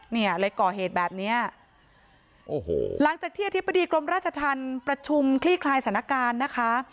เนี่ยเลยก่อเหตุแบบเนี้ยโอ้โหหลังจากที่อธิบดีกรมราชธรรมประชุมคลี่คลายสถานการณ์นะคะ